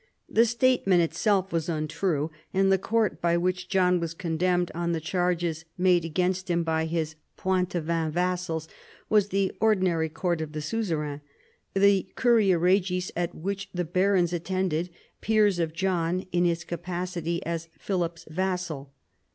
The statement itself was untrue, and the court by which John was condemned on the charges made against him by his Poitevin vassals was the ordin ary court of the suzerain, the curia regis at which the barons attended, peers of John in his capacity as Philip's vassal.